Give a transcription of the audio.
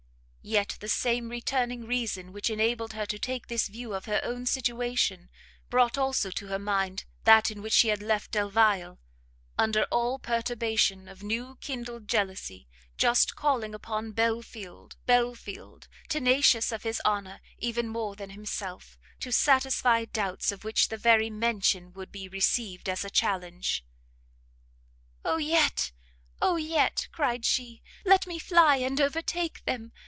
Yet the same returning reason which enabled her to take this view of her own situation, brought also to her mind that in which she had left Delvile; under all the perturbation of new kindled jealousy, just calling upon Belfield, Belfield, tenacious of his honour even more than himself, to satisfy doubts of which the very mention would be received as a challenge! "Oh yet, oh yet," cried she, "let me fly and overtake them!